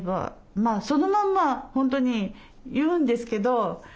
まあそのまんま本当に言うんですけど。